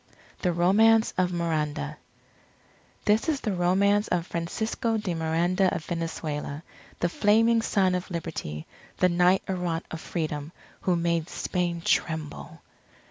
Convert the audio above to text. THE ROMANCE OF MIRANDA This is the romance of Francisco de Miranda of Venezuela, the Flaming Son of Liberty, the Knight Errant of Freedom, who made Spain tremble.